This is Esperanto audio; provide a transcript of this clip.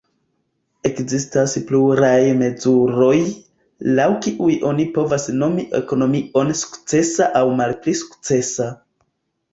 Ekzistas pluraj mezuroj, laŭ kiuj oni povas nomi ekonomion sukcesa aŭ malpli sukcesa.